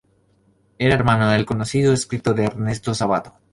Era hermano del conocido escritor Ernesto Sabato.